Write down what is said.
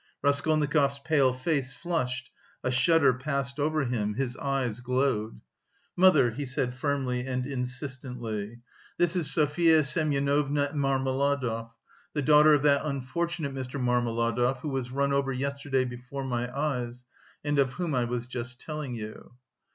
Raskolnikov's pale face flushed, a shudder passed over him, his eyes glowed. "Mother," he said, firmly and insistently, "this is Sofya Semyonovna Marmeladov, the daughter of that unfortunate Mr. Marmeladov, who was run over yesterday before my eyes, and of whom I was just telling you."